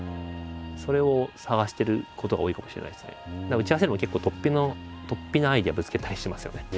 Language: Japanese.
打ち合わせでも結構突飛なアイデアぶつけたりしますよね。